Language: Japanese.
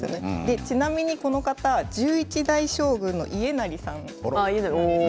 ちなみにこの方１１代将軍の家斉さんです。